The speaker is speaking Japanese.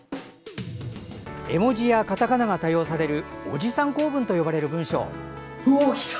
絵文字やカタカナが多用されるおじさん構文と呼ばれる文章。